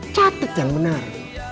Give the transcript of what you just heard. catet yang benar